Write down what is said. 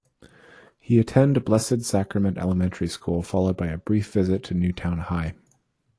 He attended Blessed Sacrament elementary school followed by a brisk visit to Newtown High.